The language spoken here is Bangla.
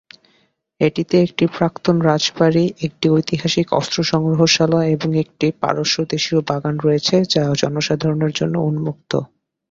এটিতে একটি প্রাক্তন রাজবাড়ী, একটি ঐতিহাসিক অস্ত্র সংগ্রহশালা এবং একটি পারস্যদেশীয় বাগান রয়েছে, যা জনসাধারণের জন্য উন্মুক্ত।